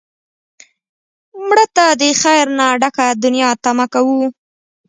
مړه ته د خیر نه ډکه دنیا تمه کوو